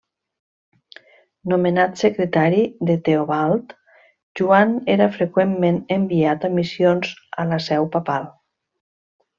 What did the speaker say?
Nomenat secretari de Teobald, Joan era freqüentment enviat a missions a la seu papal.